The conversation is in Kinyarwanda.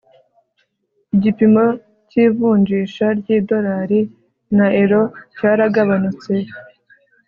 igipimo cy'ivunjisha ry'idolari na euro cyaragabanutse